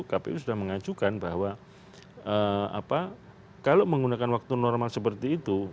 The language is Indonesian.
kpu sudah mengajukan bahwa kalau menggunakan waktu normal seperti itu